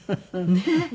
ねえ。